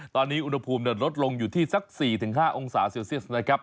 ตอนนี้อุณหภูมิลดลงอยู่ที่สัก๔๕องศาเซลเซียสนะครับ